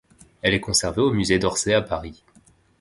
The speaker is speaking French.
Elle est conservée au Musée d'Orsay, à Paris.